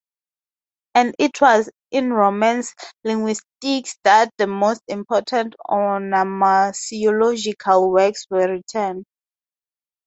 And it was in Romance linguistics that the most important onomasiological works were written.